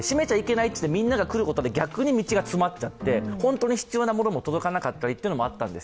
みんなが来ることで逆に道が詰まっちゃって、本当に必要なものも届かなかったりというのもあったんです。